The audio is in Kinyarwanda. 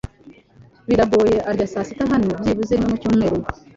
Bigoye arya saa sita hano byibuze rimwe mu cyumweru .